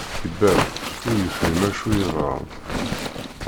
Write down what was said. Ibat, ur yefhim acu yeḍran.